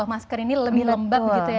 masker ini lebih lembab gitu ya